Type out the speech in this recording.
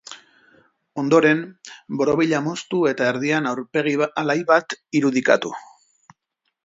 Ondoren, borobila moztu eta erdian aurpegi alai bat irudikatu.